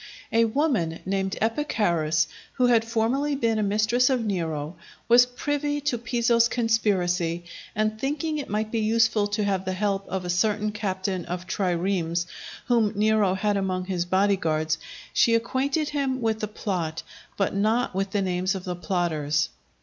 A woman, named Epicharis, who had formerly been a mistress of Nero, was privy to Piso's conspiracy, and thinking it might be useful to have the help of a certain captain of triremes whom Nero had among his body guards, she acquainted him with the plot, but not with the names of the plotters.